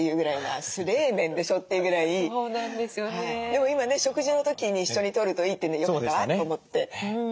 でも今ね食事の時に一緒にとるといいっていうんでよかったわと思って。